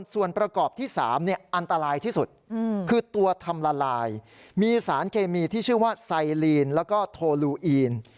ส่วนประกอบที่๓อันตรายที่สุดคือตัวทำละลายมีสารเคมีที่ชื่อว่าไซลีนแล้วก็โทลูอีน